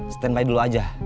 stand by dulu aja